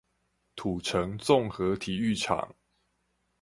土城綜合體育場